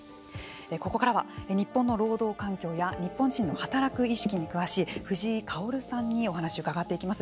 ここからは、日本の労働環境や日本人の働く意識に詳しい藤井薫さんにお話を伺っていきます。